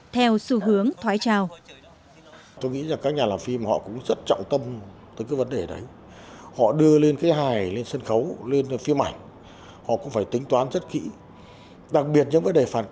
theo xu hướng thoái trào